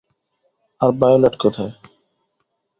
আর violet কোথায়?